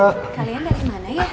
kalian dari mana ya